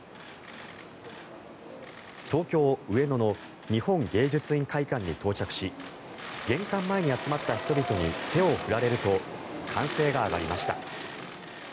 東京・上野の日本芸術院会館に到着し玄関前に集まった人々に手を振られると歓声が上がりました。